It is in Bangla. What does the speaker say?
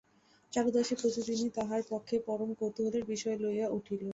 চারুশশী প্রতিদিনই তাহার পক্ষে পরম কৌতুহলের বিষয় হইয়া উঠিল।